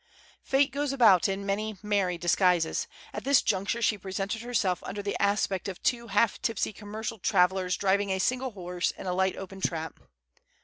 Fate goes about in many merry disguises. At this juncture she presented herself under the aspect of two half tipsy commercial travellers driving a single horse in a light open trap.